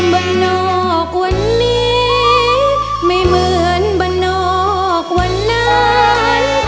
บนนอกวันนี้ไม่เหมือนบรรนอกวันนั้น